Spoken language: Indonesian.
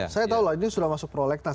saya tahu lah ini sudah masuk prolegnas